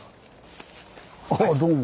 ああどうも。